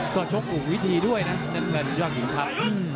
ก็ชกอุ่มวิธีด้วยนะนั่นก็ยังไงครับ